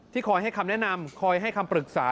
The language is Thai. คอยให้คำแนะนำคอยให้คำปรึกษา